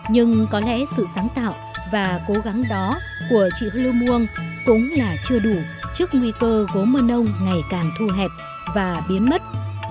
nhưng có lẽ sự sáng tạo và cố gắng đó của chị hư muông cũng là chưa đủ trước nguy cơ gốm mưa nông ngày càng thu hẹp và biến mất